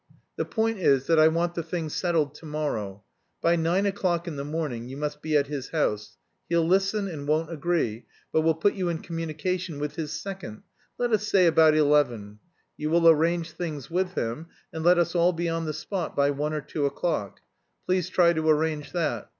"The point is that I want the thing settled to morrow. By nine o'clock in the morning you must be at his house. He'll listen, and won't agree, but will put you in communication with his second let us say about eleven. You will arrange things with him, and let us all be on the spot by one or two o'clock. Please try to arrange that.